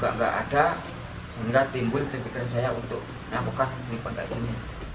gak ada sehingga timbul di pikiran saya untuk menanggungkan penipuan kayak gini